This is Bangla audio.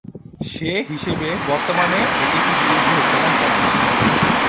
সে হিসেবে বর্তমানে এটি পৃথিবীর বৃহত্তম ধর্ম।